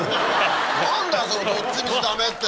何だよそのどっちみちダメって！